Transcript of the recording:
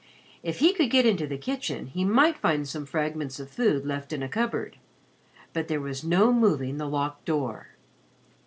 If he could get into the kitchen, he might find some fragments of food left in a cupboard; but there was no moving the locked door.